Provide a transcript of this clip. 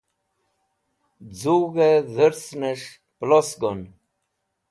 Zũg̃hẽ dhursẽnes̃h pẽlos gon.